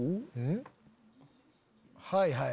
はいはい。